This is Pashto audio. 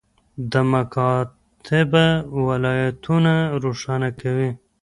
دا مکاتبه واقعیتونه روښانه کوي.